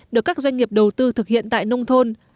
được các doanh nghiệp đầu tư thực hiện tại nông thôn